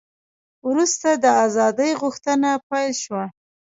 وروسته د ازادۍ غوښتنه پیل شوه.